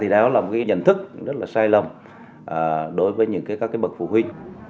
đó là một nhận thức rất là sai lầm đối với những các bậc phụ huynh